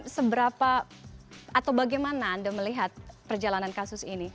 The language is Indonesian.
seberapa atau bagaimana anda melihat perjalanan kasus ini